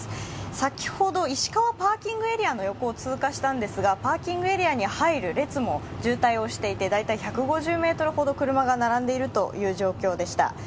先ほど石川パーキングエリアの横を通過したんですがパーキングエリアに入る列も渋滞をしていて大体１５０ｍほど車が並んでいるという状況でした。